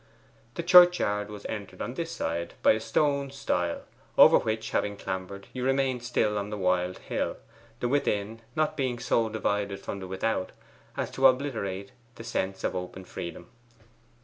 The churchyard was entered on this side by a stone stile, over which having clambered, you remained still on the wild hill, the within not being so divided from the without as to obliterate the sense of open freedom.